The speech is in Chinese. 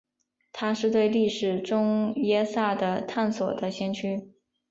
他是对历史中耶稣的探索的先驱。